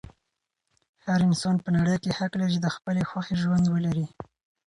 هر انسان په نړۍ کې حق لري چې د خپلې خوښې ژوند ولري.